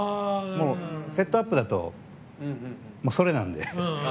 もうセットアップだとそれなんで。